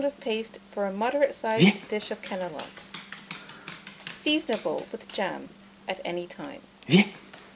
of paste for a moderate sized dish of cannelons. Seasonable, with jam, at any time.